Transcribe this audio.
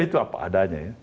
itu apa adanya ya